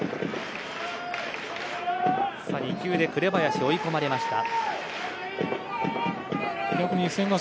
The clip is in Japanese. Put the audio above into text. ２球で紅林が追い込まれました。